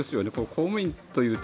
公務員というと